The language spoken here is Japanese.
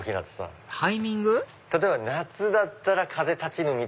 例えば夏だったら『風立ちぬ』。